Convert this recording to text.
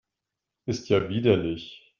Ist ja widerlich!